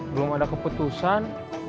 belum ada keputusan